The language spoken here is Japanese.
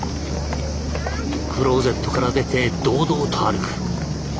クローゼットから出て堂々と歩く。